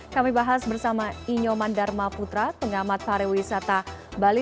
kami bahas bersama inyoman dharma putra pengamat pariwisata bali